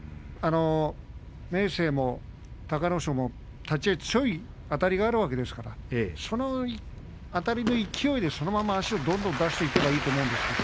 明生も隆の勝も立ち合い強いあたりがあるわけですからそのあたりの勢いでどんどん足を出していけばいいと思います。